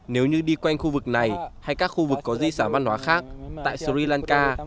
nếu như đi quanh khu vực này hay các khu vực có di sản văn hóa khác tại sri lanka